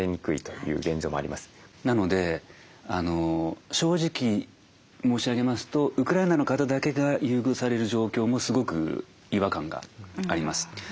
なので正直申し上げますとウクライナの方だけが優遇される状況もすごく違和感があります。